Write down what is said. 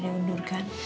ada yang mainkan